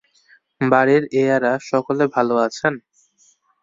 বাড়ির এঁয়ারা সকলে ভালো আছেন?